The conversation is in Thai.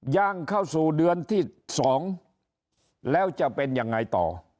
ย่างเข้าสู่เดือนที่๒แล้วจะเป็นยังไงต่อ